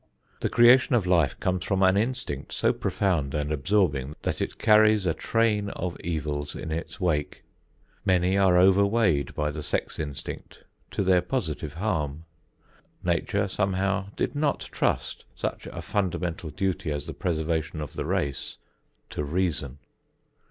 The creation of life comes from an instinct so profound and absorbing that it carries a train of evils in its wake. Many are overweighted by the sex instinct to their positive harm. Nature somehow did not trust such a fundamental duty as the preservation of the race to reason.